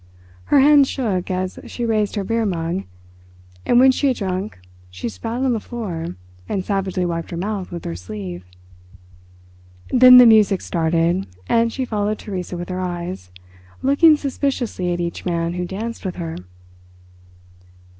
Her hands shook as she raised her beer mug, and when she had drunk she spat on the floor and savagely wiped her mouth with her sleeve. Then the music started and she followed Theresa with her eyes, looking suspiciously at each man who danced with her.